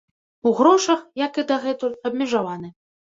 У грошах, як і дагэтуль, абмежаваны.